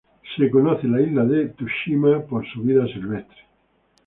La isla de Tsushima es conocida por su vida silvestre.